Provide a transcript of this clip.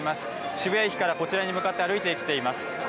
渋谷駅からこちらに向かって歩いてきています。